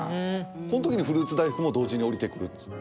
この時にフルーツ大福も同時におりてくるんですか？